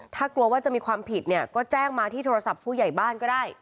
ถ้ากลัวว่าจะมีความผิดเนี่ยก็แจ้งมาที่โทรศัพท์ผู้ใหญ่บ้านก็ได้